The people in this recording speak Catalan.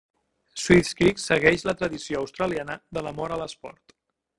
Swifts Creek segueix la tradició australiana de l'amor a l'esport.